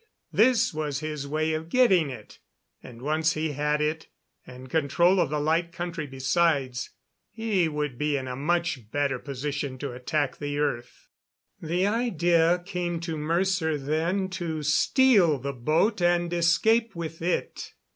This was his way of getting it, and once he had it, and control of the Light Country besides he would be in a much better position to attack the earth. The idea came to Mercer then to steal the boat and escape with it.